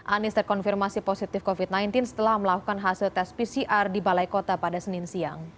anies terkonfirmasi positif covid sembilan belas setelah melakukan hasil tes pcr di balai kota pada senin siang